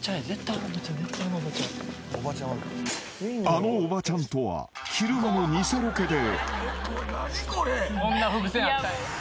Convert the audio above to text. ［あのおばちゃんとは昼間の偽ロケで］